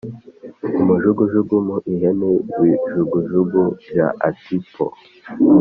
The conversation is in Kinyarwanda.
Umujugujugu mu ihene bijugujugu bya ati po !!!!-.